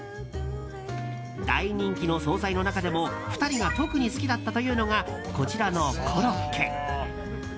大人気の総菜の中でも２人が特に好きだったというのがこちらのコロッケ。